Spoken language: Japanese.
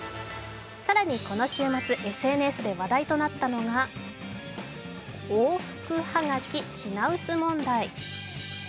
更にこの週末、ＳＮＳで話題となったのが往復はがき品薄問題。